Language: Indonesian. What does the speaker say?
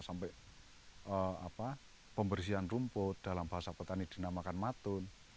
sampai pembersihan rumput dalam bahasa petani dinamakan matun